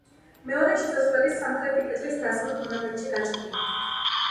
მეორე შესასვლელი სამხრეთი კედლის დასავლეთ მონაკვეთშია გაჭრილი.